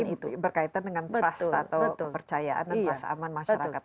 karena ini berkaitan dengan trust atau kepercayaan dan trust aman masyarakat